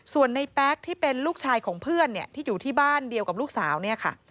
ส่วนในแป๊กที่เป็นลูกชายของเพื่อนเนี่ยที่อยู่ที่บ้านเดียวกับลูกสาวเนี่ยค่ะ